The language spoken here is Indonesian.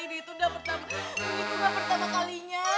ini udah pertama kalinya